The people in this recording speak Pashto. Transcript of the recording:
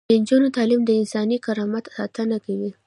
د نجونو تعلیم د انساني کرامت ساتنه کوي.